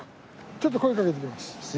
ちょっと声かけてきます。